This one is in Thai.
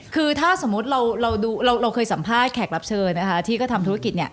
คือถ้าสมมุติเราเคยสัมภาษณ์แขกรับเชิญนะคะที่ก็ทำธุรกิจเนี่ย